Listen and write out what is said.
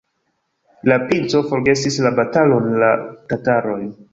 La princo forgesis la batalon, la tatarojn.